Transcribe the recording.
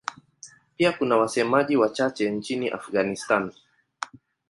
Pia kuna wasemaji wachache nchini Afghanistan.